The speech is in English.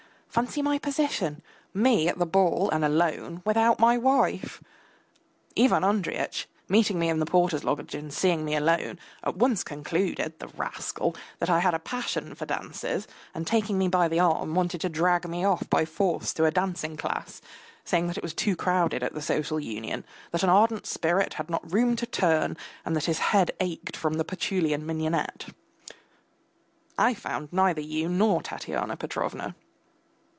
Fancy my position! Me at the ball and alone, without my wife! Ivan Andreyitch meeting me in the porter's lodge and seeing me alone, at once concluded (the rascal!) that I had a passion for dances, and taking me by the arm, wanted to drag me off by force to a dancing class, saying that it was too crowded at the Social Union, that an ardent spirit had not room to turn, and that his head ached from the patchouli and mignonette. I found neither you, nor Tatyana Petrovna.